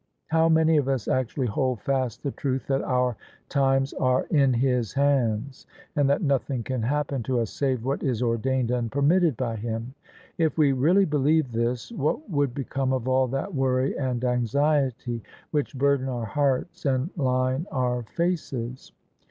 How many of us actually hold fast the truth that our times are in His Hands, and that nothing can happen to us save what is ordained and permitted by Him? If we really believed this, what would become of all that worry and anxiety which burden our hearts and line our faces?